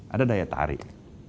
ada daya tarik